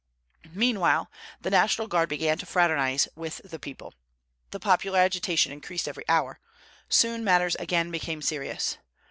Meanwhile the National Guard began to fraternize with the people. The popular agitation increased every hour. Soon matters again became serious.